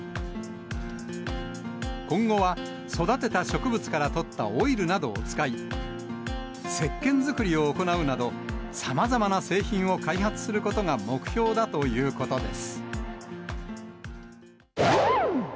今後は、育てた植物から取ったオイルなどを使い、せっけん作りを行うなど、さまざまな製品を開発することが目標だということです。